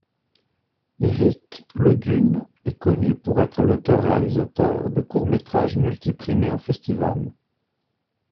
Éric Ledune est connu pour être l'auteur-réalisateur de courts métrages multi-primés en festivals.